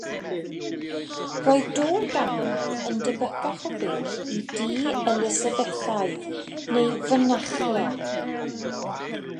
Roedd Dôl Gamedd yn debycach o bell i dŷ Elizabethaidd neu fynachlog.